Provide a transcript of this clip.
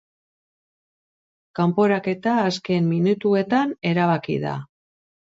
Kanporaketa azken minutuetan erabaki da.